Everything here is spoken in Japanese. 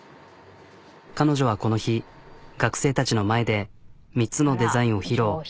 彼女はこの日学生たちの前で３つのデザインを披露。